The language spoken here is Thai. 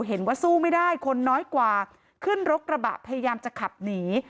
เห็นว่าสู้ไม่ได้คนน้อยกว่าขึ้นรถกระบะพยายามจะขับหนี